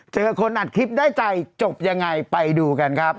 เจอคนอัดคลิปได้ใจจบยังไงไปดูกันครับ